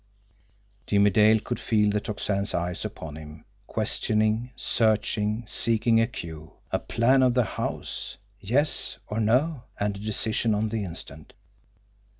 Jimmie Dale could feel the Tocsin's eyes upon him, questioning, searching, seeking a cue. A plan of the house yes or no? And a decision on the instant!